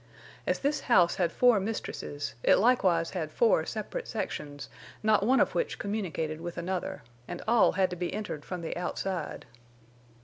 As this house had four mistresses, it likewise had four separate sections, not one of which communicated with another, and all had to be entered from the outside.